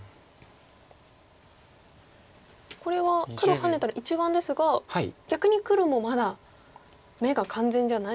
これは黒ハネたら１眼ですが逆に黒もまだ眼が完全じゃないんですね。